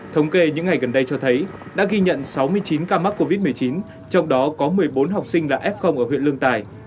thống kê những ngày gần đây cho thấy đã ghi nhận sáu mươi chín ca mắc covid một mươi chín trong đó có một mươi bốn học sinh là f ở huyện lương tài